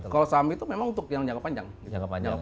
kalau saham itu memang untuk yang jangka panjang